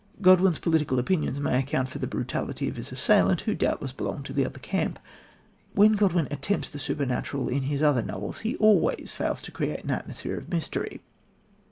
Godwin's political opinions may account for the brutality of his assailant who doubtless belonged to the other camp. When Godwin attempts the supernatural in his other novels, he always fails to create an atmosphere of mystery.